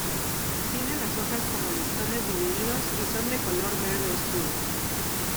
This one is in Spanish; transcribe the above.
Tiene las hojas como listones divididos y son de color verde oscuro.